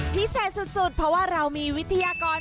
พิเศษสุดเพราะว่าเรามีวิทยากร